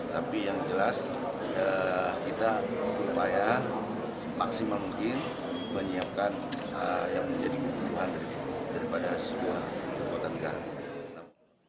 tapi yang jelas kita berupaya maksimal mungkin menyiapkan yang menjadi kebutuhan daripada sebuah kekuatan negara